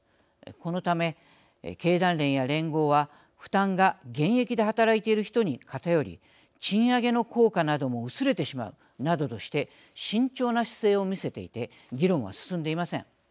このため、経団連や連合は負担が現役で働いている人に偏り賃上げの効果なども薄れてしまうなどとして慎重な姿勢を見せていて議論は進んでいません。